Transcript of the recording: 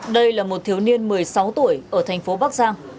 đây là một thiếu niên một mươi sáu tuổi ở thành phố bắc giang